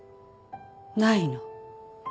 ないの？